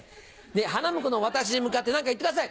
花婿の私に向かって何か言ってください！